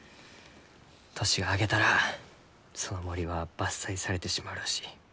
年が明けたらその森は伐採されてしまうらしい。